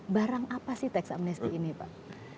barang apa sih teksamnesti ini pak